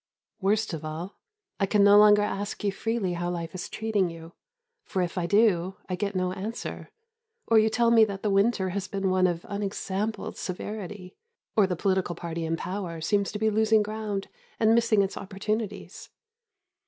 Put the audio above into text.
Worst of all, I can no longer ask you freely how life is treating you; for if I do, I get no answer, or you tell me that the winter has been one of unexampled severity, or the political party in power seems to be losing ground and missing its opportunities.